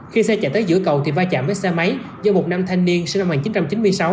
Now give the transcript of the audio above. khi xe chạy tới giữa cầu thì va chạm với xe máy do một nam thanh niên sinh năm một nghìn chín trăm chín mươi sáu